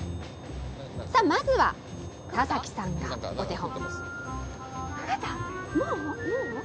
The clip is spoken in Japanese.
まずは田崎さんがお手本。